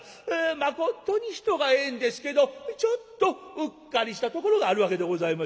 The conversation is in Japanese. まことに人がええんですけどちょっとうっかりしたところがあるわけでございましてね。